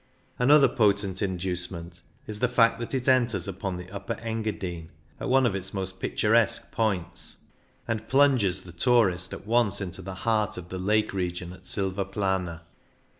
Another potent inducement is the fact that it enters the Upper Engadine at one of its most picturesque points, and plunges the tourist at once into the heart of the lake region at Silvaplana.